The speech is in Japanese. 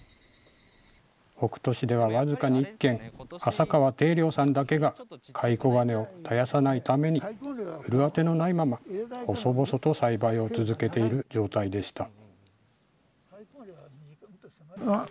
北杜市では僅かに１軒、浅川定良さんだけが、カイコガネを絶やさないために、売る当てのないまま細々と栽培を続けている状態でした。